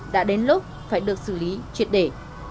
đã đến lúc phải được xử lý chuyệt để